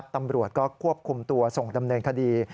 ตำรวจก็ควบคุมตัวส่งดำเนินคดี